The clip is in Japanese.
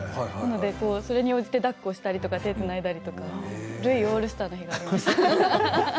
それに応じてだっこしたり手をつないだりるいオールスターの日がありました。